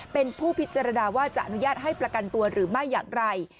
เป็นผู้พิจารณาว่าจะอนุญาตให้ประกันตัวหรือไม่อย่างไร